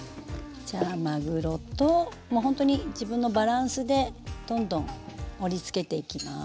じゃあまぐろともうほんとに自分のバランスでどんどん盛りつけていきます。